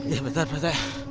ih betet pak rt